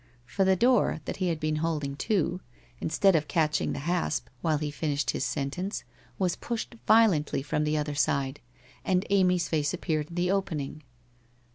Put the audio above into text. For the door, that he had been holding to, instead of catching the hasp, while he finished his sentence, was pushed violently from the other side, and Amy's face ap peared in the opening.